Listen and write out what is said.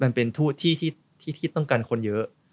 มันเป็นทูตที่ต้องการคนเยอะ